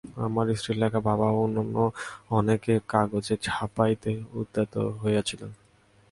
আমার স্ত্রীর লেখা বাবা এবং অন্যান্য অনেকে কাগজে ছাপাইতে উদ্যত হইয়াছিলেন।